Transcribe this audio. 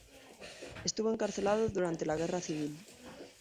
Estuvo encarcelado durante la Guerra Civil.